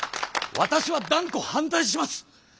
わたしは断固反対します！